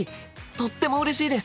とってもうれしいです！